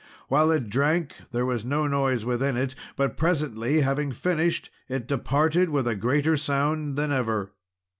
While it drank there was no noise within it; but presently, having finished, it departed with a greater sound than ever.